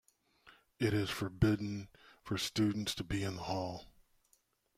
It is forbidden for students to be in the hall.